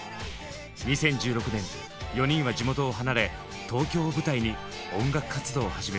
２０１６年４人は地元を離れ東京を舞台に音楽活動を始めます。